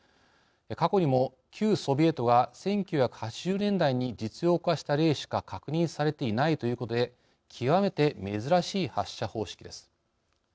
過去にも旧ソビエトが１９８０年代に実用化した例しか確認されていないということで極めて珍しい発射方式です。